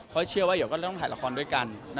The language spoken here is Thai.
เพราะเชื่อว่าเดี๋ยวก็เริ่มถ่ายละครด้วยกัน